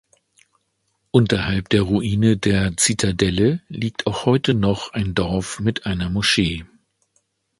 Unterhalb der Ruine der Zitadelle liegt auch heute noch ein Dorf mit einer Moschee.